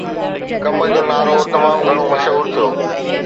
ڪم جو نعرو تمام گهڻو مشهور ٿيو